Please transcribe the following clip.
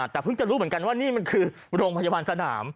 แต่เพิ่งจะรู้เหมือนกันว่านี่มันคือโรงพยาบาลสนาม